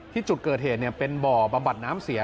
ที่จุดเกิดเหตุเป็นบ่อบำบัดน้ำเสีย